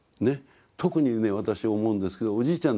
特にね私思うんですけどおじいちゃん